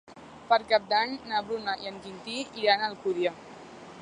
Per Cap d'Any na Bruna i en Quintí iran a Alcúdia.